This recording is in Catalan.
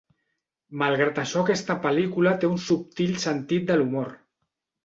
Malgrat això aquesta pel·lícula té un subtil sentit de l'humor.